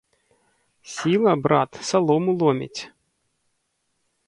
Сіла, брат, салому ломіць!